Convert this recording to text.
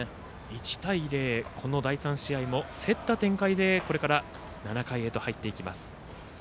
１対０、この第３試合も競った展開で７回へと入っていきます。